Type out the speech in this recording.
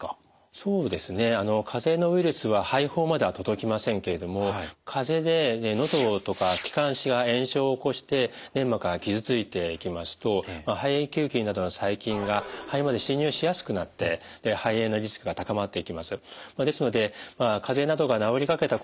そうですねかぜのウイルスは肺胞までは届きませんけれどもかぜでのどとか気管支が炎症を起こして粘膜が傷ついていきますと肺炎球菌などの細菌が肺まで侵入しやすくなって肺炎のリスクが高まっていきます。